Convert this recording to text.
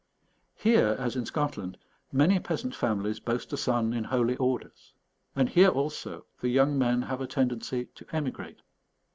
Here, as in Scotland, many peasant families boast a son in holy orders. And here also, the young men have a tendency to emigrate.